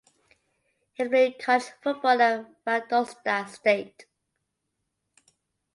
He played college football at Valdosta State.